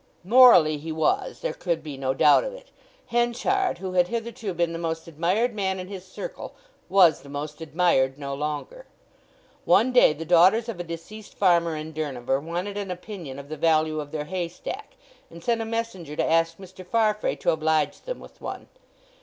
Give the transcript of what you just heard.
Morally he was; there could be no doubt of it. Henchard, who had hitherto been the most admired man in his circle, was the most admired no longer. One day the daughters of a deceased farmer in Durnover wanted an opinion of the value of their haystack, and sent a messenger to ask Mr. Farfrae to oblige them with one.